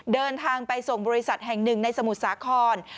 เดินทางไปส่งบริษัทแห่งหนึ่งในสมุทรสาคร